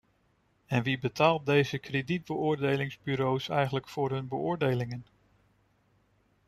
En wie betaalt deze kredietbeoordelingsbureaus eigenlijk voor hun beoordelingen?